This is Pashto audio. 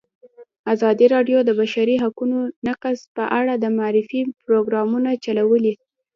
ازادي راډیو د د بشري حقونو نقض په اړه د معارفې پروګرامونه چلولي.